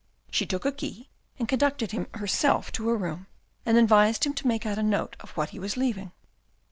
She took a key, and conducted him herself to a room, and advised him to make out a note of what he was leaving.